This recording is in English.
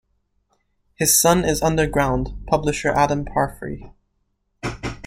His son is "underground" publisher Adam Parfrey.